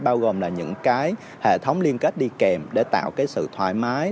bao gồm là những cái hệ thống liên kết đi kèm để tạo cái sự thoải mái